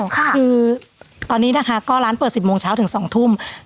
คือตอนนี้นะคะก็ร้านเปิด๑๐โมงเช้าถึง๒ทุ่ม